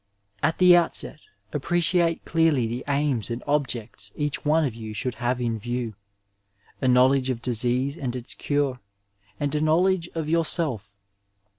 At the outset appreciate clearly the aims and objects each one of you should have in view — a knowledge of dis ease and its cure, and a knowledge of yourself.